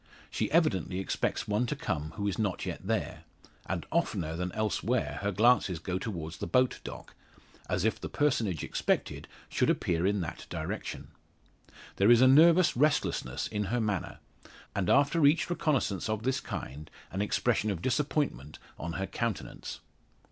She evidently expects one to come who is not yet there; and oftener than elsewhere her glances go towards the boat dock, as if the personage expected should appear in that direction. There is a nervous restlessness in her manner, and after each reconnaissance of this kind, an expression of disappointment on her countenance.